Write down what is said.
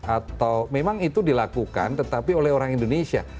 atau memang itu dilakukan tetapi oleh orang indonesia